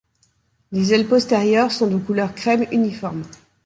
Les ailes postérieures sont de couleur crème uniforme.